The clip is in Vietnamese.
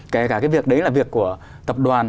kể cả cái việc đấy là việc của tập đoàn